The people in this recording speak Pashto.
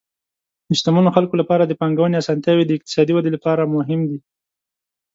د شتمنو خلکو لپاره د پانګونې اسانتیاوې د اقتصادي ودې لپاره مهم دي.